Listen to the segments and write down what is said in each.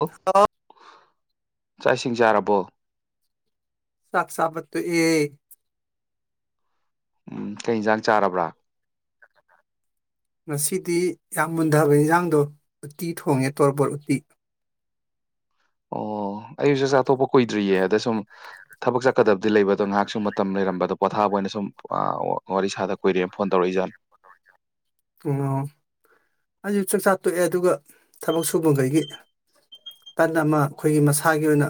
ꯑꯣ ꯑ ꯆꯥꯛ ꯏꯁꯤꯡ ꯆꯥꯔꯕꯣ ꯆꯥꯛ ꯆꯥꯕ ꯇꯣꯛꯑꯦ ꯎꯝ ꯀꯩ ꯌꯦꯟꯁꯥꯡ ꯆꯥꯔꯕ꯭ꯔ ꯉꯁꯤꯗꯤ ꯌꯥꯝ ꯃꯨꯟꯊꯕ ꯏꯟꯁꯥꯡꯗꯣ ꯎꯠꯇꯤ ꯊꯣꯡꯉꯦ ꯇꯣꯔꯕꯣꯠ ꯎꯠꯇꯤ ꯑꯣ ꯑꯩꯁꯨ ꯆꯥꯛꯆꯥ ꯇꯣꯛꯄ ꯀꯨꯏꯗ꯭ꯔꯤꯌꯦ ꯑꯗ ꯁꯨꯝ ꯊꯕꯛ ꯆꯠꯀꯗꯕꯗꯤ ꯂꯩꯕ ꯑꯗꯣ ꯉꯥꯏꯍꯥꯛ ꯁꯨꯝ ꯃꯇꯝ ꯂꯩꯔꯝꯕ ꯑꯗꯣ ꯄꯣꯊꯥꯕ ꯑꯣꯏꯅ ꯁꯨꯝ ꯋꯥꯔꯤ ꯁꯥꯔꯛ ꯀꯨꯢꯔꯦ ꯐꯣꯟ ꯇꯧꯔꯛꯏꯖꯥꯠꯅꯤ ꯑꯣ ꯑꯩꯁꯨ ꯆꯥꯛꯆꯥꯥ ꯇꯣꯛꯑꯦ ꯑꯗꯨꯒ ꯊꯕꯛ ꯁꯨꯕꯒꯩꯒꯤ ꯇꯟ ꯑꯃ ꯑꯩꯈꯣꯏꯒꯤ ꯃꯁꯥꯒꯤ ꯑꯣꯏꯅ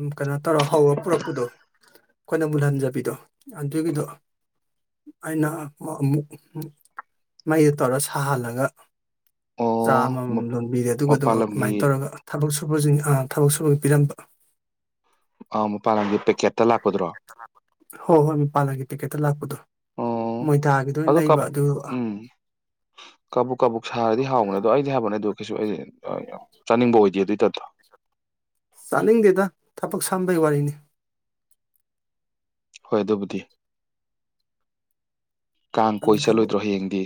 ꯎꯝ ꯀꯩꯅꯣ ꯇꯧꯔ ꯍꯧꯔ ꯄꯨꯔꯛꯄꯗꯣ ꯑꯩꯈꯣꯏꯅ ꯃꯨꯜꯍꯟꯖꯕꯤꯗꯣ ꯑꯗꯨꯒꯤꯗꯣ ꯑꯩꯅ ꯑꯃꯨꯛ ꯃꯩꯗ ꯇꯧꯔ ꯁꯥꯍꯜꯂꯒ ꯆꯥ ꯑꯣ ꯑꯃꯃꯝ ꯃ ꯂꯣꯟꯕꯤꯔꯦ ꯑꯗꯨꯒꯗꯨ ꯃꯄꯥꯟ ꯑꯗꯨꯃꯥꯏ ꯂꯝꯒꯤ ꯇꯧꯔꯒ ꯊꯕꯛ ꯁꯨꯕꯁꯤꯡ ꯑꯥ ꯊꯕꯛ ꯁꯨꯕꯩ ꯄꯤꯔꯝꯕ ꯑꯥ ꯃꯄꯥꯥꯜ ꯂꯝꯒꯤ ꯄꯦꯀꯦꯠꯇ ꯂꯥꯛꯄꯗꯣ ꯍꯣꯏ ꯍꯣꯏ ꯃꯄꯥꯟꯂꯝꯒꯤ ꯄꯦꯛꯀꯦꯠꯇ ꯂꯥꯛꯄꯗꯣ ꯑꯣ ꯃꯣꯏꯗꯥꯒꯤꯗꯣ ꯑꯣꯢꯅ ꯂꯩꯕ ꯑꯗꯨ ꯎꯝ ꯀꯕꯨꯛ ꯀꯕꯨꯛ ꯁꯥꯔꯗꯤ ꯍꯥꯎꯕꯅꯦ ꯑꯗꯣ ꯑꯩꯗꯤ ꯍꯥꯏꯕꯅꯦ ꯑꯗꯨ ꯀꯩꯁꯨ ꯑꯩꯗꯤ ꯆꯥꯅꯤꯡꯕ ꯑꯣꯏꯗꯦ ꯑꯗꯨꯏ ꯇꯥꯏꯞꯇꯣ ꯆꯥꯅꯤꯡꯗꯦꯗ ꯊꯕꯛ ꯁꯝꯕꯩ ꯋꯥꯔꯤꯅꯤ ꯍꯣꯏ ꯑꯗꯨꯕꯨꯗꯤ ꯀꯥꯡ ꯑꯗꯨ ꯀꯣꯏ ꯊꯕꯛ ꯆꯠꯂꯣꯏꯗ꯭ꯔꯣ ꯍꯌꯦꯡꯗꯤ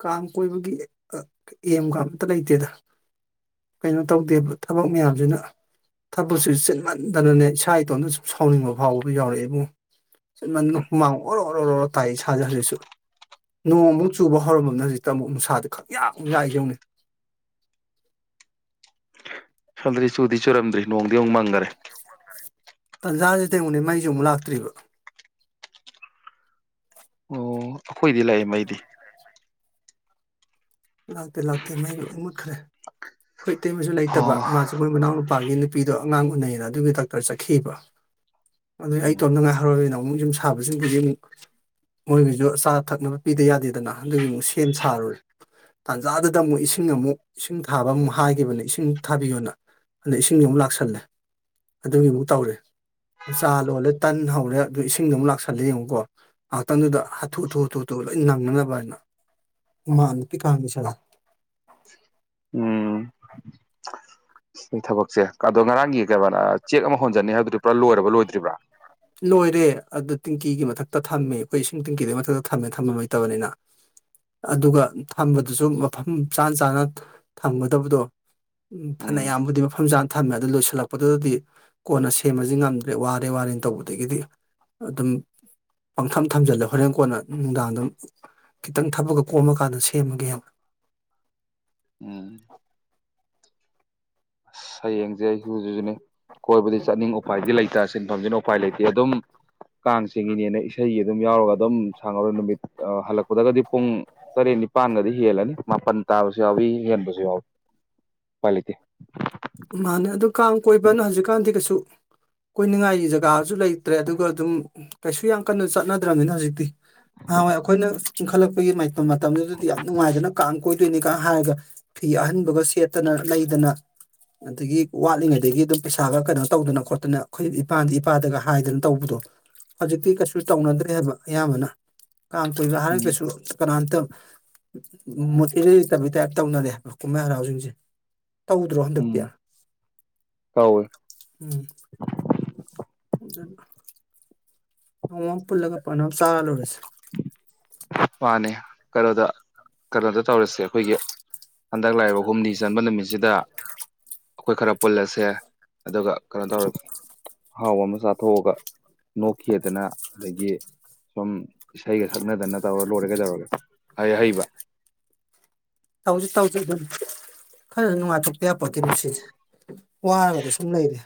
ꯀꯥꯡ ꯀꯣꯏꯕꯒꯤ ꯑꯦꯝꯒ ꯑꯝꯇ ꯂꯩꯇꯦꯗ ꯀꯩꯅꯣ ꯇꯧꯗꯦꯕ ꯊꯕꯛ ꯃꯌꯥꯝꯖꯤꯅ ꯊꯕꯛꯁꯤ ꯆꯤꯟꯃꯟꯗꯅꯅꯦ ꯏꯁꯥ ꯏꯇꯣꯝꯇ ꯁꯨꯝ ꯁꯥꯎꯅꯤꯡꯕ ꯐꯥꯎꯕꯒ ꯌꯥꯎꯔꯛꯑꯦ ꯏꯕꯨꯡꯉꯣ ꯆꯤꯟꯃꯟꯗꯅ ꯍꯨꯃꯥꯡ ꯑꯣꯔꯣ ꯑꯣꯔꯣ ꯑꯣꯔꯣ ꯇꯥꯏ ꯏꯁꯥꯖꯦ ꯍꯖꯤꯛꯁꯨ ꯅꯣꯡꯃꯨꯛ ꯆꯨꯕ ꯍꯧ ꯍꯧꯔꯝꯃꯕꯅꯦ ꯍꯧꯖꯤꯛꯇ ꯑꯃꯨꯛ ꯅꯨꯡꯁꯥꯖꯦ ꯈꯡꯍꯥꯛ ꯌꯥꯛꯏꯖꯦ ꯁꯣꯟꯗꯗꯤ ꯆꯨꯗꯤ ꯆꯨꯔꯝꯗ꯭ꯔꯤ ꯅꯣꯡꯗꯤ ꯑꯃꯨꯛ ꯃꯪꯒꯔꯦ ꯇꯟꯖꯥꯁꯤꯗ ꯌꯦꯡꯉꯣꯅꯦ ꯃꯩꯖꯨ ꯑꯃꯨꯛ ꯂꯥꯛꯇ꯭ꯔꯤꯕ ꯑꯈꯣꯏꯗꯤ ꯂꯥꯛꯑꯦ ꯃꯩꯗꯤ ꯂꯥꯛꯇꯦ ꯂꯥꯛꯇꯦ ꯃꯩ ꯂꯣꯢ ꯃꯨꯠꯈ꯭ꯔꯦ ꯑꯩꯈꯣꯏ ꯏꯇꯩꯃꯁꯨ ꯂꯩꯇꯕ ꯑꯣ ꯃꯥꯖꯨ ꯃꯣꯏ ꯃꯅꯥꯎ ꯅꯨꯄꯥꯒꯤ ꯅꯨꯄꯤꯗꯣ ꯑꯉꯥꯡ ꯎꯅꯩꯌꯦꯅ ꯑꯗꯨꯒꯤ ꯗꯥꯛꯇꯔ ꯆꯠꯈꯤꯕ ꯑꯗꯨꯗꯩ ꯎꯝ ꯑꯩꯇꯣꯝꯇ ꯉꯥꯏꯍꯧꯔꯕꯅꯤꯅ ꯑꯃꯨꯛ ꯌꯨꯝ ꯁꯥꯕꯁꯨ ꯍꯧꯖꯤꯛ ꯃꯨꯛ ꯃꯣꯏꯒꯤꯖꯨ ꯑꯆꯥ ꯊꯛꯅꯕ ꯄꯤꯗ ꯌꯥꯗꯦꯗꯅ ꯑꯗꯨꯒꯤ ꯑꯃꯨꯛ ꯁꯦꯝ ꯁꯥꯔꯨꯔꯦ ꯇꯥꯟꯖꯥꯗꯨꯗ ꯑꯃꯨꯛ ꯏꯁꯤꯡ ꯑꯃꯨꯛ ꯏꯁꯤꯡ ꯊꯥꯕ ꯑꯃꯨꯛ ꯍꯥꯏꯒꯤꯕꯅꯦ ꯏꯁꯤꯡ ꯊꯥꯕꯤꯌꯣꯅ ꯑꯗꯨ ꯏꯁꯤꯡ ꯑꯃꯨꯛ ꯂꯥꯛꯁꯜꯂꯦ ꯑꯗꯨꯒꯤ ꯑꯃꯨꯛ ꯇꯧꯔꯦ ꯆꯥ ꯂꯣꯜꯂꯦ ꯇꯟ ꯍꯧꯔꯦ ꯑꯗꯨ ꯏꯁꯤꯡꯒꯤ ꯑꯃꯨꯛ ꯂꯥꯛꯁꯜꯂꯦ ꯌꯦꯡꯉꯨꯀꯣ ꯉꯥꯛꯍꯥꯛꯇꯪꯗꯨꯗ ꯍꯥꯊꯨ ꯍꯥꯊꯨ ꯍꯥꯊꯨ ꯍꯥꯊꯨ ꯂꯣꯏ ꯅꯪꯅꯅꯕꯅ ꯍꯥꯏꯅ ꯍꯨꯃꯥꯡ ꯅꯄꯤ ꯀꯥꯡꯉꯁꯤꯔ ꯎꯝ ꯁꯤ ꯊꯕꯛꯁꯦ ꯑꯗꯣ ꯉꯔꯥꯡꯒꯤ ꯀꯩ ꯆꯦꯛ ꯑꯃ ꯍꯣꯟꯖꯟꯅꯤ ꯍꯥꯏꯕꯗꯨꯗꯤ ꯄꯨꯔꯥ ꯂꯣꯏꯔꯕ ꯂꯣꯏꯗ꯭ꯔꯤꯕ꯭ꯔꯥ ꯂꯣꯏꯔꯦ ꯑꯗꯨ ꯇꯤꯡꯀꯤꯒꯤ ꯃꯊꯛꯇ ꯊꯝꯃꯤ ꯑꯩꯈꯣꯏ ꯏꯁꯤꯡ ꯇꯦꯡꯀꯤꯗꯨꯒꯤ ꯃꯊꯛꯇ ꯊꯝꯃꯦ ꯊꯝꯕꯝ ꯂꯩꯇꯕꯅꯤꯅ ꯑꯗꯨꯒ ꯊꯝꯕꯗꯨꯁꯨ ꯃꯐꯝ ꯆꯥ ꯆꯥꯅ ꯊꯝꯒꯗꯕꯗꯣ ꯎꯝ ꯐꯅꯌꯥꯝꯕꯨꯗꯤ ꯃꯐꯝ ꯆꯥꯅ ꯊꯝꯃꯦ ꯑꯗꯨ ꯂꯣꯏꯁꯤꯜꯂꯛꯄꯗꯨꯗꯗꯤ ꯀꯣꯟꯅ ꯁꯦꯝꯃꯖꯤ ꯉꯝꯗ꯭ꯔꯦ ꯋꯥꯔꯦ ꯋꯥꯔꯦꯅ ꯇꯧꯕꯗ ꯑꯗꯒꯤꯗꯤ ꯑꯗꯨꯝ ꯄꯪꯊꯝ ꯊꯝꯖꯤꯜꯂꯦ ꯍꯣꯔꯦꯟ ꯀꯣꯟꯅ ꯅꯨꯡꯗꯥꯡꯗꯝ ꯈꯤꯇꯪ ꯊꯕꯛꯒ ꯀꯣꯝꯃ ꯀꯥꯟꯗ ꯁꯦꯝꯃꯒꯦꯅ ꯎꯝ ꯑꯁ ꯍꯌꯦꯡꯁꯦ ꯑꯩꯖꯨ ꯍꯨꯖꯤꯁꯨꯅꯦ ꯀꯣꯏꯕꯗꯤ ꯆꯠꯅꯤꯡ ꯎꯄꯥꯏꯗꯤ ꯂꯩꯇꯦ ꯁꯤꯟꯐꯝꯁꯤꯅ ꯎꯄꯥꯏ ꯂꯩꯇꯦ ꯑꯗꯨꯝ ꯀꯥꯡ ꯆꯤꯡꯉꯤꯅꯦꯅ ꯏꯁꯩꯒ ꯑꯗꯨꯝ ꯌꯥꯎꯔꯒ ꯑꯗꯨꯝ ꯁꯪꯉꯔꯣꯏ ꯅꯨꯃꯤꯠ ꯍꯜꯂꯛꯄꯗꯒꯗꯤ ꯄꯨꯡ ꯇꯔꯦꯠ ꯅꯤꯄꯥꯟꯒꯗꯤ ꯍꯦꯜꯂꯅꯤ ꯃꯥꯄꯟ ꯇꯥꯕꯁꯨ ꯌꯥꯎꯏ ꯍꯦꯟꯕꯁꯨ ꯌꯥꯎꯏ ꯎꯄꯥꯏ ꯂꯩꯇꯦ ꯃꯥꯅꯦ ꯑꯗꯨ ꯀꯥꯡ ꯀꯣꯏꯕꯅ ꯍꯧꯖꯤꯛꯀꯥꯟꯗꯤ ꯀꯩꯁꯨ ꯀꯣꯏꯅꯤꯡꯉꯥꯏꯒꯤ ꯖꯒꯥꯁꯨ ꯂꯩꯇ꯭ꯔꯦ ꯑꯗꯨꯒ ꯑꯗꯨꯝ ꯀꯩꯁꯨ ꯌꯥꯝ ꯀꯟꯅ ꯆꯠꯅꯗ꯭ꯔꯕꯅꯤꯅ ꯍꯧꯖꯤꯛꯇꯤ ꯅꯍꯥꯟ ꯋꯥꯏ ꯑꯩꯈꯣꯏꯅ ꯏꯡꯈꯠꯂꯛꯄꯒꯤ ꯃꯇꯝꯗꯨꯗꯗꯤ ꯌꯥꯝ ꯅꯨꯡꯉꯥꯏꯗꯅ ꯀꯥꯡ ꯀꯣꯏꯗꯣꯏꯅꯤꯒ ꯍꯥꯏꯔꯒ ꯐꯤ ꯑꯍꯟꯕꯒ ꯁꯦꯠꯇꯅ ꯂꯩꯗꯅ ꯑꯗꯒꯤ ꯋꯥꯠꯂꯤꯉꯩꯗꯒꯤ ꯑꯗꯨꯝ ꯄꯩꯁꯥꯒ ꯀꯩꯅꯣ ꯇꯧꯗꯅ ꯈꯣꯠꯇꯅ ꯑꯩꯈꯣꯏ ꯏꯄꯥꯗ ꯏꯄꯥꯗꯒ ꯍꯥꯏꯗꯅ ꯇꯧꯕꯗꯣ ꯍꯧꯖꯤꯛꯇꯤ ꯀꯩꯁꯨ ꯇꯧꯅꯗ꯭ꯔꯦ ꯍꯥꯏꯕ ꯑꯌꯥꯝꯕꯅ ꯀꯥꯡ ꯇꯣꯏꯕ ꯎꯝ ꯍꯥꯏꯔꯒꯁꯨ ꯀꯅꯥꯝꯇ ꯃꯨꯠ ꯏꯔꯩ ꯂꯩꯇꯕꯩ ꯇꯥꯏꯞ ꯇꯧꯅꯔꯦꯕ ꯀꯨꯝꯍꯩ ꯍꯔꯥꯎꯁꯤꯡꯁꯦ ꯇꯧꯗ꯭ꯔꯣ ꯎꯝ ꯇꯧꯋꯦ [inaudible] [unintelligible] ꯅꯣꯡꯃ ꯑꯃ ꯄꯨꯜꯂꯒ ꯄꯟ ꯑꯃ ꯆꯥ ꯂꯣꯏꯔꯦꯁꯦ ꯃꯥꯅꯦ ꯀꯩꯅꯣꯗ ꯀꯩꯅꯣꯗ ꯇꯧꯔꯁꯦ ꯑꯩꯈꯣꯏꯒꯤ ꯍꯟꯗꯛ ꯂꯥꯛꯏꯕ ꯍꯨꯝꯅꯤ ꯆꯟꯕ ꯅꯨꯃꯤꯠꯁꯤꯗ ꯑꯈꯣꯏ ꯈꯔ ꯄꯨꯜꯂꯁꯦ ꯑꯗꯨꯒ ꯈꯔ ꯀꯩꯅꯣ ꯇꯧꯔ ꯑꯍꯥꯎ ꯑꯃ ꯆꯥꯊꯣꯛꯑꯒ ꯅꯣꯛꯈꯦꯗꯅ ꯑꯗꯒꯤ ꯁꯨꯝ ꯏꯁꯩꯒ ꯁꯛꯅꯗꯅ ꯇꯧꯔ ꯂꯣꯏꯔꯦ ꯀꯩꯗꯧꯔꯒꯦ ꯍꯩ ꯍꯩꯕ ꯇꯧꯖꯤ ꯇꯧꯖꯤ ꯑꯗꯨꯝ ꯈꯔ ꯅꯨꯡꯉꯥꯏꯊꯣꯛꯇ ꯌꯥꯄꯣꯠꯇꯦ ꯃꯨꯟꯁꯤꯖꯦ ꯋꯥꯔꯒꯗ ꯁꯨꯝ ꯂꯩꯔꯦ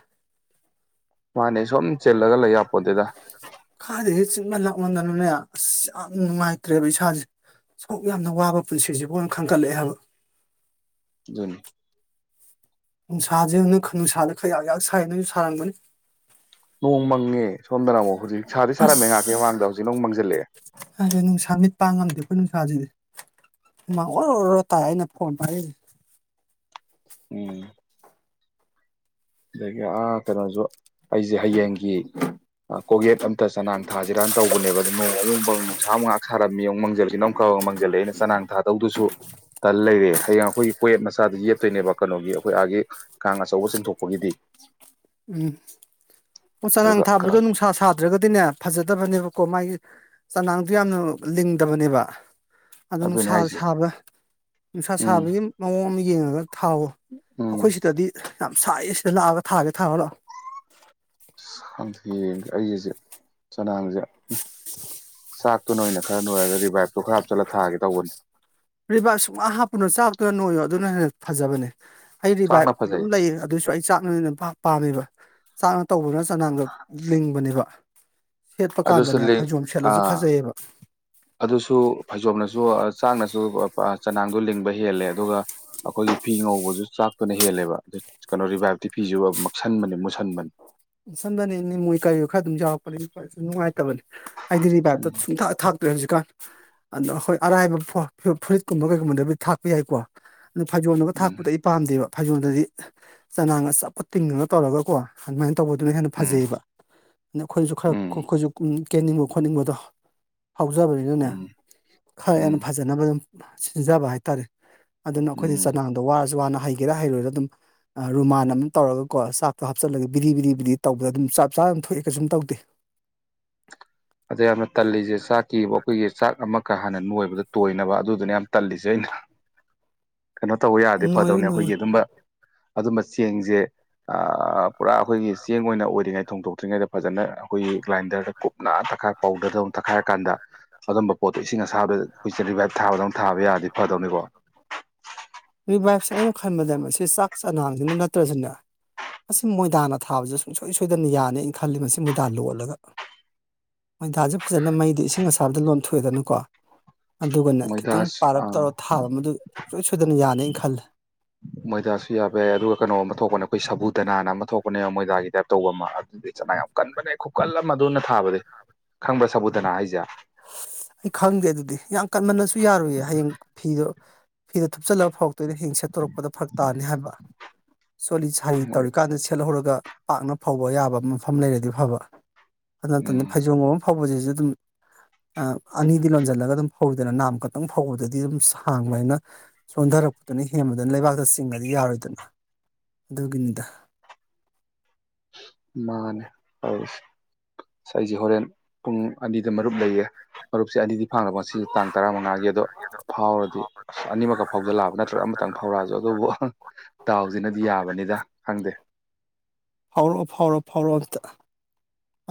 ꯃꯥꯅꯦ ꯁꯨꯝ ꯆꯤꯜꯂꯒ ꯂꯩ ꯌꯥꯄꯣꯠꯇꯦꯗ ꯈꯥꯏꯗꯒꯤ ꯆꯤꯟꯃꯟ ꯂꯛꯃꯟꯗꯅꯅꯦ ꯑꯁ ꯌꯥꯝ ꯅꯨꯡꯉꯥꯏꯇ꯭ꯔꯦꯕ ꯏꯁꯥꯖꯦ ꯑꯁꯨꯛ ꯌꯥꯝꯅ ꯋꯥꯕ ꯄꯨꯟꯁꯤꯖꯤꯕꯨ ꯑꯅꯥ ꯈꯟꯒꯠꯂꯛꯑꯦ ꯍꯥꯏꯕ ꯑꯗꯨꯅꯤ ꯅꯨꯡꯁꯥꯖꯦ ꯉꯨꯅꯦ ꯈ ꯅꯨꯡꯁꯥꯥꯗ ꯈꯌꯥꯛ ꯌꯥꯛ ꯁꯥꯏ ꯅꯣꯏꯖꯨ ꯁꯥꯔꯝꯒꯅꯤ ꯅꯣꯡ ꯃꯪꯉꯦ ꯁꯣꯝꯗꯅ ꯑꯃꯨꯛ ꯍꯧꯖꯤꯛ ꯁꯥꯗꯤ ꯁꯥꯔꯝꯃꯦ ꯉꯥꯏꯍꯥꯛꯀꯤ ꯃꯃꯥꯡꯗ ꯍꯧꯖꯤꯛꯅꯃꯨꯛ ꯃꯪꯖꯤꯜꯂꯛꯑꯦ ꯑꯗꯨ ꯅꯨꯡꯁꯥ ꯃꯤꯠ ꯄꯥꯡ ꯉꯝꯗꯦ ꯑꯈꯣꯏ ꯅꯨꯡꯁꯥꯖꯤꯗꯤ ꯍꯨꯃꯥꯡ ꯑꯣꯔꯣ ꯔꯣ ꯇꯥꯏ ꯑꯩꯅ ꯐꯣꯟ ꯄꯥꯏꯔꯩꯖꯦ ꯎꯝ ꯑꯗꯒꯤ ꯑꯥ ꯀꯩꯅꯣꯖꯨ ꯑꯩꯖꯦ ꯍꯌꯦꯡꯒꯤ ꯑꯥ ꯀꯣꯛꯌꯦꯠ ꯑꯝꯇ ꯆꯅꯥꯡ ꯊꯥꯖꯤꯔꯥꯅ ꯇꯧꯕꯅꯦꯕ ꯗꯣ ꯅꯣꯡ ꯑꯃꯨꯛ ꯃꯡ ꯅꯨꯡꯁꯥ ꯑꯃꯨꯛ ꯉꯥꯍꯥꯛ ꯁꯥꯔꯝꯃꯤ ꯑꯃꯨꯛ ꯃꯪꯖꯜꯁꯤ ꯅ ꯃꯨꯛ ꯀꯧ ꯃꯥꯡꯖꯜꯂꯛꯑꯦꯅ ꯆꯅꯥꯡ ꯊꯥꯗꯧꯗꯨꯁꯨ__ ꯇꯜ ꯂꯩꯔꯦ ꯍꯌꯦꯡ ꯑꯩꯈꯣꯏꯒꯤ ꯀꯣꯌꯦꯠ ꯃꯆꯥꯗ ꯌꯦꯠꯇꯣꯏꯅꯦꯕ ꯀꯅꯣꯒꯤ ꯑꯩꯈꯣꯏ ꯑꯥꯒꯤ ꯀꯥꯡ ꯑꯆꯧꯕ ꯆꯤꯡꯊꯣꯛ__ ꯄꯣꯒꯤꯗꯤ ꯎꯝ ꯑꯣ ꯆꯅꯥꯡ ꯑꯗꯨꯒ ꯊꯥꯕꯗꯣ ꯈꯔ ꯅꯨꯡꯁꯥ ꯁꯥ__ ꯗ꯭ꯔꯒꯗꯤꯅꯦ ꯐꯖꯗꯕꯅꯦꯕꯀꯣ ꯃꯥꯒꯤ ꯆꯅꯥꯡꯗꯨ ꯌꯥꯝꯅ ꯂꯤꯡꯗꯕꯅꯦꯕ ꯑꯗꯨ ꯑꯗꯨꯅꯦ ꯅꯨꯡꯁꯥ ꯍꯥꯏꯁꯦ ꯁꯥꯕ ꯅꯨꯡꯁꯥ ꯎꯝ ꯁꯥꯕꯒꯤ ꯃꯑꯣꯡꯃ ꯌꯦꯡꯉꯒ ꯊꯥꯎꯋꯣ ꯎꯝ ꯑꯩꯈꯣꯏ ꯁꯤꯗꯗꯤ ꯌꯥꯝ ꯁꯥꯏꯌꯦ ꯁꯤꯗ ꯂꯥꯛꯑꯒ ꯊꯥꯒꯦ ꯊꯥꯔꯨ ꯂꯥꯛꯑꯣ ꯑꯁ ꯈꯪꯗꯦ ꯌꯦꯡꯒꯦ ꯑꯩꯖꯦ ꯆꯅꯥꯡꯖꯦ ꯎꯝ ꯆꯥꯛ__ ꯇꯨꯅ ꯑꯣꯏꯅ ꯈꯔ ꯅꯣꯏꯔꯒ ꯔꯤꯚꯥꯏꯕꯇꯣ ꯈꯔ ꯍꯥꯞꯆꯜꯂ ꯊꯥꯒꯦ ꯇꯧꯕꯅꯤ ꯔꯤꯕꯥꯥꯏꯕ ꯁꯨꯛꯍꯥꯞ ꯍꯥꯞꯄꯨꯅꯣ ꯆꯥꯛꯇꯨꯅ ꯅꯣꯏꯌꯣ ꯑꯗꯨꯅ ꯍꯦꯟꯅ ꯐꯖꯕꯅꯦ ꯑꯩ ꯔꯤꯚꯥꯏꯕ ꯆꯥꯛꯅ ꯑꯗꯨꯝ ꯐꯖꯩ ꯂꯩꯌꯦ ꯑꯗꯨꯏꯁꯨ ꯑꯩ ꯆꯥꯛꯅ ꯍꯦꯟꯅ ꯄꯥꯝ ꯄꯥꯝꯃꯦꯕ ꯆꯥꯛꯅ ꯇꯧꯕꯅꯁꯨ__ ꯆꯅꯥꯡꯗ ꯂꯤꯡꯕꯅꯦꯕ ꯁꯦꯠꯄ ꯑꯗꯨꯁꯨ ꯀꯥꯟꯗꯅꯦ ꯂꯤ ꯐꯩꯖꯣꯝ ꯁꯦꯠꯂꯖꯨ ꯑꯥ ꯐꯖꯩꯌꯦꯕ ꯑꯗꯨꯁꯨ ꯐꯩꯖꯣꯝꯅꯁꯨ ꯑꯥ ꯆꯥꯛꯅꯁꯨ ꯑꯥ ꯆꯅꯥꯡꯗꯣ ꯂꯤꯡꯕ ꯍꯦꯜꯂꯦ ꯑꯗꯨꯒ__ ꯑꯈꯣꯏꯒꯤ ꯐꯤ ꯉꯧꯕꯖꯨ ꯆꯥꯛꯇꯨꯅ ꯍꯦꯜꯂꯦꯕ ꯑꯗꯨ ꯀꯩꯅꯣ ꯔꯤꯚꯥꯏꯞꯇꯤ ꯐꯤꯖꯨ ꯑꯥ ꯃꯛꯁꯟꯕꯅꯦ ꯃꯨꯁꯟꯕꯅꯦ__ ꯁꯟꯕꯅꯦ ꯅꯤꯝ ꯑꯣꯏ ꯀꯔꯤ ꯑꯣꯏ ꯈꯔ ꯑꯗꯨꯝ ꯌꯥꯎꯔꯛꯄꯅꯤ [unintelligible] ꯅꯨꯡꯉꯥꯏꯇꯕꯅꯦ ꯑꯩꯗꯤ ꯔꯤꯕꯥꯏꯕꯇꯣ ꯎꯝ ꯁꯨꯡꯊꯥꯛ ꯊꯥꯛ__ ꯇ꯭ꯔꯦ ꯍꯧꯖꯤꯛꯀꯥꯟ ꯑꯗꯣ ꯑꯩꯈꯣ ꯑꯔꯥꯏꯕ ꯐꯣ ꯐꯨꯔ ꯐꯨꯔꯤꯠꯀꯨꯝꯕ ꯀꯩꯒꯨꯝꯕꯗꯕꯨ ꯊꯥꯛꯄ ꯌꯥꯏꯀꯣ ꯅꯨ ꯐꯩꯖꯣꯝꯗꯒ ꯎꯝ ꯊꯥꯛꯄꯗꯤ ꯑꯩ__ ꯄꯥꯝꯗꯦꯕ ꯐꯩꯖꯣꯟꯗꯗꯤ ꯆꯅꯥꯡꯒ ꯆꯞꯀ ꯇꯤꯡꯉꯒ ꯇꯧꯔꯒꯀꯣ ꯑꯗꯨꯃꯥꯏꯅ ꯇꯧꯕꯗꯨꯅ ꯍꯦꯟꯅ__ ꯎꯝ ꯐꯖꯩꯑꯦꯕ ꯅꯈꯣꯏꯖꯨ ꯈꯔ ꯈꯥ ꯎꯝ ꯈꯣꯏ ꯈꯣꯏꯖꯨ ꯎꯝ ꯀꯦꯅꯤꯡꯕ ꯈꯣꯠꯅꯤꯡꯕꯗꯣ__ ꯐꯥꯎꯖꯕꯅꯤꯅꯅꯦ ꯎꯝ ꯈꯥ ꯍꯦꯟꯅ ꯎꯝ ꯐꯖꯅꯕ ꯑꯗꯨꯝ ꯁꯤ ꯁꯤꯖꯕ ꯍꯥꯏꯇꯥꯔꯦ ꯑꯗꯨꯅ ꯑꯩꯈꯣꯏꯗꯤ ꯎꯝ ꯆꯅꯥꯡ__ ꯗꯣ ꯋꯥꯔꯖꯨ ꯋꯥꯅ ꯍꯩꯒꯦꯔꯥ ꯍꯩꯔꯣꯏꯔꯥ ꯑꯗꯨꯝ ꯑꯥ ꯔꯨꯃꯥꯟ ꯑꯃꯝ ꯇꯧꯔꯒꯀꯣ ꯆꯥꯛꯇꯣ ꯍꯥꯞꯆꯜꯂꯒ__ ꯕꯤꯗꯤ ꯕꯤꯗꯤ ꯕꯤꯗꯤ ꯇꯧꯕꯗ ꯑꯗꯨꯝ ꯆꯞ ꯆꯥꯅ ꯊꯣꯛꯑꯦ ꯀꯩꯁꯨꯝ ꯇꯧꯗꯦ ꯑꯖ ꯌꯥꯝꯅ ꯇꯜꯂꯤꯖꯦ ꯆꯥꯛꯀꯤ ꯑꯩꯈꯣꯏꯒꯤ ꯆꯥꯛ ꯑꯃꯀ ꯍꯥꯟꯅ ꯅꯣꯏꯕꯗ ꯇꯣꯏꯅꯕ ꯑꯗꯨꯗꯨꯅ ꯌꯥꯝ ꯇꯜꯂꯤꯖꯦ ꯑꯩꯅ ꯀꯩꯅꯣ ꯇꯧꯕ ꯌꯥꯔꯗꯤ ꯅꯣꯏꯌꯨ ꯐꯗꯧꯅꯦ ꯅꯣꯏꯌꯨ ꯑꯩꯈꯣꯏꯒꯤ ꯑꯗꯨꯝꯕ ꯑꯗꯨꯝꯕ ꯆꯦꯡꯖꯦ ꯑ ꯄꯨꯔꯥ ꯑꯩꯈꯣꯏꯒꯤ ꯆꯦꯡ ꯑꯣꯏꯅ ꯑꯣꯏꯔꯤꯉꯩ ꯊꯣꯡꯗꯣꯛꯇ꯭ꯔꯤꯉꯩꯗ ꯐꯖꯅ ꯑꯩꯈꯣꯏꯒꯤ ꯒ꯭ꯂꯥꯏꯟꯗꯔꯗ ꯀꯨꯞ__ ꯅꯥ ꯇꯛꯈꯥꯏꯔ ꯄꯥꯎꯗꯔꯗꯧꯅ ꯇꯛꯈꯥꯏꯔꯀꯥꯟꯗ ꯑꯗꯨꯝꯕ ꯄꯣꯠꯇꯣ ꯏꯁꯤꯡ ꯑꯁꯥꯕꯗ ꯑꯩꯈꯣꯏ ꯆꯦ ꯔꯤꯚꯥꯏꯕ ꯊꯥꯕꯗꯧꯅ ꯊꯥꯕ ꯌꯥꯔꯗꯤ ꯐꯗꯧꯅꯤꯀꯣ ꯔꯤꯚꯥꯏꯕ ꯁꯦ ꯑꯩꯅ ꯈꯟꯕꯗ ꯃꯁꯤ ꯆꯥꯛ ꯆꯅꯥꯡꯗꯨꯅ ꯅꯠꯇ꯭ꯔꯖꯨꯅꯦ ꯃꯁꯤ ꯃꯣꯏꯗꯥꯅ ꯊꯥꯕꯁꯨ ꯁꯨꯡꯁꯣꯏ ꯁꯣꯏꯗꯅ ꯌꯥꯅꯤ ꯑꯩꯅ ꯈꯜꯂꯤ ꯃꯁꯤ ꯃꯣꯏꯗꯥ ꯂꯣꯜꯂꯒ ꯃꯣꯏꯗꯥꯥꯁꯦ ꯐꯖꯅ ꯃꯩꯗ ꯏꯁꯤꯡ ꯑꯁꯥꯕꯗ ꯂꯣꯟꯊꯣꯛꯑꯦꯗꯅꯀꯣ ꯑꯗꯨꯒꯅꯦ ꯈꯤꯇꯪ ꯃꯣꯏꯗꯥꯁ ꯄꯥꯔꯞ ꯑꯥ ꯇꯧꯔꯞ ꯊꯥꯕ ꯃꯗꯨ ꯁꯨꯡꯁꯣꯏ ꯁꯣꯏꯗꯅ ꯌꯥꯅꯤꯅ ꯈꯜꯂꯦ ꯃꯣꯏꯗꯥꯁꯨ ꯌꯥꯕ ꯌꯥꯏ ꯑꯗꯨꯒ ꯀꯩꯅꯣ ꯑꯃ ꯊꯣꯛꯄꯅꯦ ꯑꯩꯈꯣꯏ ꯁꯕꯨꯗꯅꯥꯅ ꯑꯃ ꯊꯣꯛꯄꯅꯦ ꯃꯣꯏꯗꯥꯒꯤ ꯇꯥꯏꯞ ꯇꯧꯕ ꯑꯃ ꯑꯗꯨꯗꯤ ꯆꯅꯥꯡ ꯌꯥꯝ ꯀꯟꯕꯅꯦ ꯈꯨꯀꯜ ꯑꯃ ꯑꯗꯨꯅ ꯊꯥꯕꯗꯤ ꯈꯪꯕ꯭ꯔ ꯁꯕꯨꯨꯇꯅꯥ ꯍꯥꯏꯖꯦ ꯑꯩ ꯈꯪꯗꯦ ꯑꯗꯨꯗꯤ ꯌꯥꯝ ꯀꯟꯃꯟꯅꯁꯨ ꯌꯥꯔꯣꯏꯌꯦ ꯍꯌꯦꯡ ꯐꯤꯗꯣ ꯐꯤꯗꯨ ꯊꯨꯞꯆꯜꯂꯕ ꯐꯧꯔꯛꯇꯨꯏꯅꯦ ꯍꯌꯦꯡ ꯁꯦꯠꯇꯣꯔꯛꯄꯗ ꯐꯔꯛ ꯇꯥꯅꯤ ꯍꯥꯏꯕ ꯆꯣꯠꯂꯤ ꯁꯥꯔꯤ ꯃꯣꯏ ꯇꯧꯔꯤꯀꯥꯟꯗ ꯁꯦꯠꯍꯧꯔꯒ ꯄꯥꯛꯅ ꯐꯧꯕ ꯌꯥꯕ ꯃꯐꯝ ꯂꯩꯔꯗꯤ ꯐꯕ ꯑꯗꯨ ꯅꯠꯇꯅ ꯎꯝ ꯐꯩꯖꯣꯝꯒꯨꯝꯕ ꯑꯃ ꯐꯧꯕꯖꯤꯖꯨ ꯑꯗꯨꯝ ꯑꯅꯤꯗꯨ ꯂꯣꯟꯖꯜꯂꯒ ꯑꯗꯨꯝ ꯐꯧꯏꯗꯅ ꯅꯥꯝ ꯈꯛꯇꯪ ꯐꯧꯕꯗꯗꯤ ꯑꯗꯨꯝ ꯁꯥꯡꯕꯅꯤꯅ ꯆꯣꯟꯗꯔꯛꯄꯗꯨꯅ ꯍꯦꯟꯕꯗꯨꯅ ꯂꯩꯕꯥꯛꯇ ꯆꯤꯡꯉꯗꯤ ꯌꯥꯔꯣꯏꯗꯅ ꯑꯗꯨꯒꯤꯅꯤꯗ ꯃꯥꯅꯦ ꯇꯧꯔꯤꯁꯦ ꯑꯁ ꯑꯩꯖꯦ ꯍꯣꯔꯦꯟ ꯄꯨꯡ ꯑꯅꯤꯗ ꯃꯔꯨꯞ ꯂꯩꯌꯦ ꯃꯔꯨꯞꯁꯦ ꯑꯅꯤꯗꯤ [unintelligible] ꯉꯁꯤ ꯇꯥꯡ ꯇꯔꯥꯃꯉꯥꯒꯤ ꯑꯗꯨ ꯐꯥꯎꯔꯗꯤ ꯑꯁ ꯑꯅꯤꯃꯛꯀ ꯐꯥꯎꯖꯤꯜꯂꯛꯑꯕ ꯅꯠꯇ꯭ꯔꯒ ꯑꯃꯇꯪ ꯐꯥꯎꯔꯛꯑꯁꯨ ꯑꯗꯨꯕꯨ ꯗꯥꯥꯎꯖꯤꯅꯗꯤ ꯌꯥꯕꯅꯤꯗ ꯈꯪꯗꯦ ꯐꯥꯎꯔꯛꯑꯣ ꯐꯥꯎꯔꯣ ꯐꯥꯎꯔꯛꯑꯣ ꯑꯝꯇ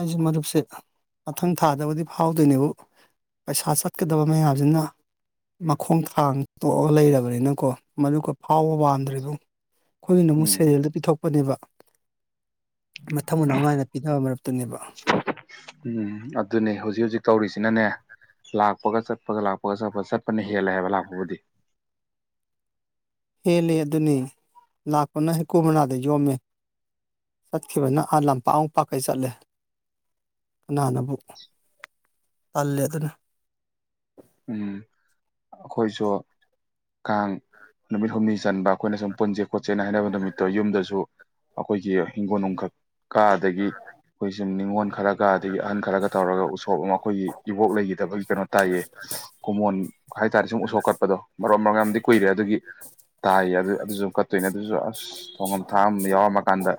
ꯑꯩꯁꯦ ꯃꯔꯨꯞꯁꯦ ꯃꯊꯪ ꯊꯥꯗꯕꯨꯗꯤ ꯐꯥꯎꯗꯣꯏꯅꯦꯕꯨ ꯄꯩꯁꯥ ꯆꯠꯀꯗꯕ ꯃꯌꯥꯝꯖꯤꯅ ꯃꯈꯣꯡ ꯊꯥꯡꯇꯣꯛꯑꯒ ꯂꯩꯔꯕꯅꯤꯅꯀꯣ ꯃꯔꯨꯞꯀ ꯐꯥꯎꯕ ꯄꯥꯝꯗ꯭ꯔꯦ ꯏꯕꯨꯡ ꯑꯩꯈꯣꯏꯒꯤꯅ ꯑꯃꯨꯛ ꯎꯝ ꯁꯦꯔꯦꯜꯗ ꯄꯤꯊꯣꯛꯄꯅꯦꯕ ꯃꯊꯪ ꯃꯅꯥꯎ ꯅꯥꯏꯅ ꯄꯤꯗꯕ ꯃꯔꯨꯞ ꯇꯨꯅꯦꯕ ꯎꯝ ꯑꯗꯨꯅꯦ ꯍꯧꯖꯤꯛ ꯍꯧꯖꯤꯛ ꯇꯧꯔꯤꯖꯤꯅꯅꯦ ꯂꯥꯛꯄꯒ ꯆꯠꯄꯒ ꯂꯥꯛꯄꯒ ꯆꯠꯄꯒ ꯆꯠꯄꯅ ꯍꯦꯜꯂꯦ ꯍꯥꯏꯕ ꯂꯥꯛꯄꯕꯨꯗꯤ ꯍꯦꯜꯂꯦ ꯑꯗꯨꯅꯤ ꯂꯥꯛꯄꯅ ꯍꯩ ꯀꯨ ꯃꯅꯥꯗ ꯌꯣꯝꯃꯦ ꯆꯠꯈꯤꯕꯅ ꯑꯥ ꯂꯝꯄꯥꯛꯃꯨꯛ ꯄꯥꯛꯀꯩ ꯆꯠꯂꯦ ꯀꯅꯥꯅꯕꯨ ꯇꯜꯂꯦ ꯑꯗꯨꯅ ꯎꯝ ꯑꯩꯈꯣꯏꯖꯨ ꯀꯥꯡ ꯅꯨꯃꯤꯠ ꯍꯨꯝꯅꯤ ꯆꯟꯕ ꯑꯩꯈꯣꯏꯅ ꯁꯨꯝ ꯄꯨꯟꯖꯦ ꯈꯣꯠꯆꯦꯅ ꯍꯥꯏꯅꯕ ꯅꯨꯃꯤꯠꯇꯣ ꯌꯨꯝꯗꯖꯨ ꯑꯩꯈꯣꯏꯆꯦ ꯍꯤꯡꯒꯣꯜ ꯅꯨꯡꯈꯛꯀ ꯑꯗꯒꯤ ꯑꯩꯈꯣꯏ ꯁꯨꯝ ꯅꯤꯉꯣꯜ ꯈꯔꯒ ꯑꯗꯒꯤ ꯑꯍꯟ ꯈꯔꯒ ꯇꯧꯔꯒ ꯎꯁꯣꯞ ꯑꯃ ꯑꯩꯈꯣꯏꯒꯤ ꯏꯕꯣꯛ ꯂꯩꯈꯤꯗꯕꯒꯤ ꯀꯩꯅꯣ ꯇꯥꯏꯌꯦ ꯀꯨꯃꯣꯟ ꯍꯥꯏꯇꯥꯔꯦ ꯁꯨꯝ ꯎꯁꯣꯞ ꯀꯠꯄꯗꯣ ꯃꯔꯣ ꯃꯔꯣꯡ ꯌꯥꯝꯗꯤ ꯀꯨꯏꯔꯦ ꯑꯗꯨꯒꯤ ꯇꯥꯏꯌꯦ ꯑꯗꯨ ꯑꯗꯨꯁꯨ ꯆꯠꯇꯣꯏꯅꯦ ꯑꯗꯨꯁꯨ ꯑꯁ ꯊꯣꯡꯉꯝ ꯊꯥꯛ ꯑꯝ ꯌꯥꯎꯔꯝꯃꯀꯥꯟꯗ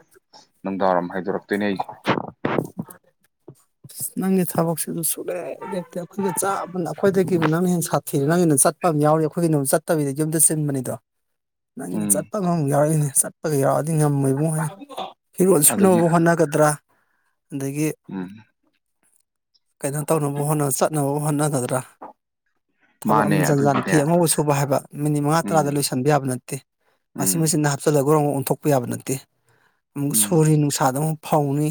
ꯅꯨꯡꯗꯥꯡ ꯋꯥꯏꯔꯝ ꯍꯥꯏꯗꯣꯔꯛꯇꯣꯏꯅꯦ ꯑꯩꯁꯦ [unintelligible] ꯅꯪꯒꯤ ꯊꯕꯛꯁꯤꯁꯨ ꯁꯨꯛꯂꯦꯞ ꯂꯦꯞꯇꯦ ꯑꯩꯈꯣꯏꯒꯥ ꯆꯞ ꯃꯥꯟꯅꯩ ꯑꯩꯈꯣꯏꯗꯒꯤꯕꯨ ꯅꯪꯅ ꯍꯦꯟꯅ ꯁꯥꯊꯤꯔꯦ ꯅꯪꯒꯤꯅ ꯆꯠ ꯄꯃ ꯌꯥꯎꯔꯤ ꯑꯩꯈꯣꯏꯒꯤꯅ ꯆꯠꯇꯕꯤꯗ ꯌꯨꯝꯗ ꯆꯤꯟꯕꯅꯤꯗꯣ [inaudible] ꯅꯪꯒꯤꯅ ꯆꯠꯄ ꯑꯃꯃꯨꯛ ꯌꯥꯎꯔꯛꯏꯅꯤ ꯆꯠ ꯄꯒ ꯌꯥꯎꯔꯛꯑꯗꯤ ꯉꯝꯃꯣꯏꯕꯨꯡꯉꯣ ꯐꯤꯔꯣꯜ ꯑꯗꯨꯒꯤ ꯁꯨꯅꯕꯕꯨ ꯍꯣꯠꯅꯒꯗ꯭ꯔꯥ ꯑꯗꯒꯤ ꯎꯝ [inaudible] ꯀꯩꯅꯣ ꯇꯧꯅꯕ ꯍꯣꯠꯅ ꯆꯠꯅꯕꯕꯨ ꯍꯣꯠꯅꯒꯗ꯭ꯔꯥ ꯊꯕꯛ ꯃꯥꯅꯦ ꯑꯃ ꯖꯟ ꯖꯥꯟ ꯐꯤ ꯑꯗꯨꯒꯤꯅꯦ ꯑꯉꯧꯕ ꯁꯨꯕ ꯍꯥꯏꯕ ꯃꯤꯅꯤꯠ ꯃꯉꯥ ꯇꯔꯥꯗ ꯎꯝ ꯂꯣꯏꯁꯤꯟꯕ ꯌꯥꯕ ꯅꯠꯇꯦ ꯎꯝ ꯑꯁꯤ ꯃꯦꯆꯤꯟꯗ ꯍꯥꯞꯆꯤꯜꯂꯒ ꯒꯣꯡꯒꯣꯡ ꯑꯣꯟꯊꯣꯛꯄ ꯌꯥꯕ ꯅꯠꯇꯦ ꯑꯃꯨꯛ ꯎꯝ ꯁꯨꯔꯤ ꯅꯨꯡꯁꯥꯗ ꯑꯃꯨꯛ ꯐꯧꯅꯤ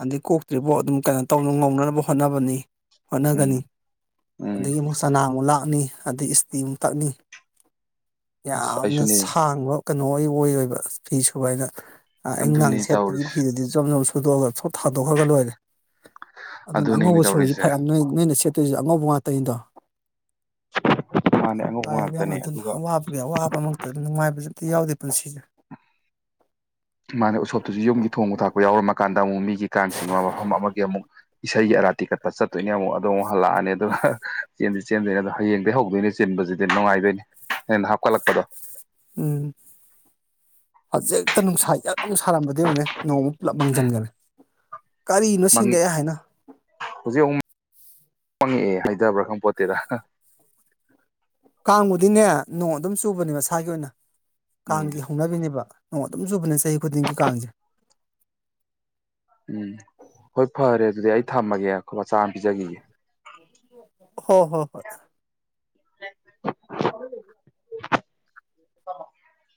ꯑꯗꯩ ꯀꯣꯛꯇ꯭ꯔꯤꯕꯐꯥꯎ ꯑꯗꯨꯝ ꯀꯩꯅꯣ ꯇꯧ ꯉꯧꯅꯅꯕ ꯍꯣꯠꯅꯕꯅꯤ ꯎꯝ ꯍꯣꯠꯅꯒꯅꯤ ꯎꯝ ꯑꯗꯒꯤ ꯑꯃꯨꯛ ꯆꯅꯥꯡ ꯑꯃꯨꯛ ꯂꯥꯛꯅꯤ ꯑꯗꯩ ꯏꯁꯇꯤꯃꯨꯛ ꯇꯛꯅꯤ ꯑꯁ ꯌꯥꯝꯅ ꯑꯩꯁꯨꯅꯦ ꯁꯥꯡꯕ ꯀꯩꯅꯣ ꯑꯣꯏ ꯑꯣꯏꯕ ꯐꯤ ꯁꯨꯕ ꯍꯥꯏꯅ ꯑꯥ ꯑꯌꯨꯛ ꯅꯨꯡꯗꯥꯡ ꯑꯗꯨꯅꯦ ꯁꯦꯠꯄꯒꯤ ꯇꯧꯔꯤꯁꯦ ꯐꯤꯗꯤ ꯖꯣꯝ ꯖꯣꯝ ꯁꯨꯗꯣꯛꯑꯒ ꯊꯣꯛ ꯊꯥꯗꯣꯛꯈ꯭ꯔꯒ ꯂꯣꯏꯔꯦ ꯑꯗꯨꯅ ꯑꯗꯨꯅꯦꯃꯤ ꯑꯉꯧꯕ ꯁꯨꯕꯁꯤ ꯇꯧꯔꯤꯁꯦ ꯐꯥꯔꯛ ꯅꯣꯏ ꯅꯣꯏꯅ ꯁꯦꯠꯇꯣꯏꯁꯤ ꯑꯉꯧꯕ ꯉꯥꯛꯇꯅꯤꯗꯣ ꯃꯥꯅꯦ ꯐꯥꯔꯛ ꯑꯉꯧꯕ ꯇꯥꯌꯦꯕ ꯌꯥꯝ ꯉꯥꯛꯇꯅꯦ ꯑꯗꯨꯅ ꯑꯗꯨꯒ ꯑꯋꯥꯕ ꯑꯗꯨꯒꯤ ꯑꯋꯥꯕꯃꯛꯇꯗ ꯅꯨꯡꯉꯥꯏꯕꯁꯨ ꯑꯝꯇ ꯌꯥꯎꯗꯦ ꯄꯨꯟꯁꯤꯁꯦ [inaudible] ꯃꯥꯅꯦ ꯎꯁꯣꯞꯇꯨꯁꯨ ꯌꯨꯝꯒꯤ ꯊꯣꯡꯕ ꯊꯥꯛꯄ ꯌꯥꯎꯔꯝꯃ ꯀꯥꯟꯗ ꯑꯃꯨꯛ ꯃꯤꯒꯤ ꯀꯥꯡ ꯆꯤꯡꯕ ꯃꯐꯝ ꯑꯃꯒꯤ ꯑꯃꯨꯛ ꯏꯁꯩꯒꯤ ꯑꯔꯥꯇꯤ ꯀꯠꯄ ꯆꯠꯇꯣꯏꯅꯦ ꯑꯃꯨꯛ ꯑꯗꯣ ꯑꯃꯨꯛ ꯍꯜꯂꯛꯑꯅꯤ ꯑꯗꯨꯒ ꯆꯦꯟꯗꯤ ꯆꯦꯟꯗꯣꯏꯅꯦ ꯑꯗꯣ ꯍꯌꯦꯡꯗꯩ ꯍꯧꯗꯣꯏꯅꯦ ꯆꯤꯟꯕꯁꯤꯗꯤ ꯅꯨꯡꯉꯥꯏꯗꯣꯏꯅꯤ ꯍꯦꯟꯅ ꯍꯥꯞꯀꯠꯂꯛꯄꯗꯣ ꯎꯝ ꯍꯧꯖꯤꯛꯇ ꯅꯨꯡꯁꯥ ꯌꯛ ꯂꯥꯎꯅ ꯁꯥꯔꯝꯕꯗꯣ ꯌꯦꯡꯉꯨꯅꯦ ꯅꯣꯡ ꯄꯨꯂꯞ ꯃꯡꯖꯟꯒ꯭ꯔꯦ ꯀꯔꯤꯅꯣ ꯁꯤꯟꯗꯦ ꯃꯪꯉꯤ ꯑꯩ ꯍꯥꯏꯅ ꯍꯧꯖꯤꯛ ꯑꯃꯨꯛ ꯃꯪꯉꯛꯑꯦ ꯍꯩꯗꯕ꯭ꯔꯥ ꯈꯪꯄꯣꯠꯇꯦꯗ ꯀꯥꯡꯕꯨꯗꯤꯅꯦ ꯅꯣꯡ ꯑꯗꯨꯝ ꯆꯨꯕꯅꯦ ꯃꯁꯥꯒꯤ ꯑꯣꯏꯅ ꯎꯝ ꯀꯥꯡꯒꯤ ꯍꯧꯅꯕꯤꯅꯦꯕ ꯅꯣꯡ ꯑꯗꯨꯝ ꯆꯨꯕꯅꯦ ꯆꯍꯤ ꯈꯨꯗꯤꯡꯒꯤ ꯀꯥꯡꯁꯦ ꯎꯝ ꯍꯣꯏ ꯐꯔꯦ ꯑꯗꯨꯗꯤ ꯑꯩ ꯊꯝꯃꯒꯦ ꯑꯩꯈꯣꯏ ꯕꯥ ꯆꯥꯛ ꯑꯃ ꯄꯤꯖꯈꯤꯒꯦ ꯍꯣ ꯍꯣ ꯍꯣꯏ [unintelligible] [unintelligible]